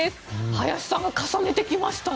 林さん、重ねてきましたね。